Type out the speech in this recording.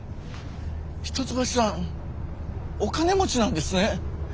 一橋さんお金持ちなんですね。